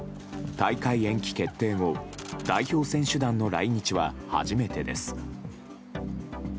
大会延期決定後代表選手団の来日は初めてです。